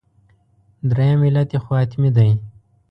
درېیم علت یې خو حتمي دی.